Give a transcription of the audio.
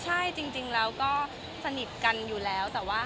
ใช่จริงแล้วก็สนิทกันอยู่แล้ว